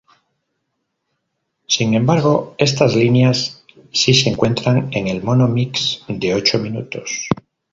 Sin embargo, estas líneas sí se encuentran en el mono mix de ocho minutos.